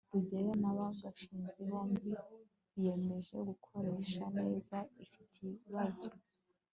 rugeyo na gashinzi bombi biyemeje gukoresha neza iki kibazo